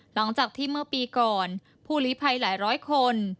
หลังจากที่เมื่อปีก่อนผู้หลีภัยหลายร้อยคน